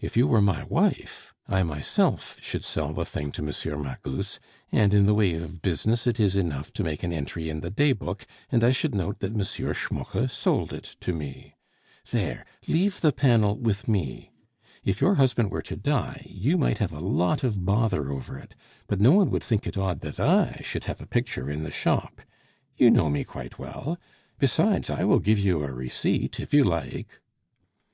If you were my wife, I myself should sell the thing to M. Magus, and in the way of business it is enough to make an entry in the day book, and I should note that M. Schmucke sold it to me. There, leave the panel with me. ... If your husband were to die you might have a lot of bother over it, but no one would think it odd that I should have a picture in the shop.... You know me quite well. Besides, I will give you a receipt if you like."